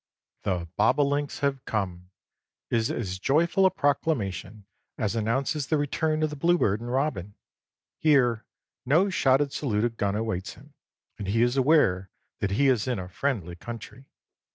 "The bobolinks have come" is as joyful a proclamation as announces the return of the bluebird and robin. Here no shotted salute of gun awaits him, and he is aware that he is in a friendly country.